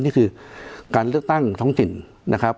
ที่คือการเลือกตั้งท้องจิต